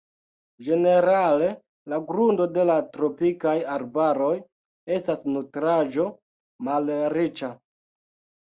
Ĝenerale la grundo de la tropikaj arbaroj estas nutraĵo-malriĉa.